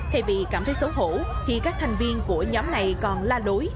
thay vì cảm thấy xấu hổ thì các thành viên của nhóm này còn la lối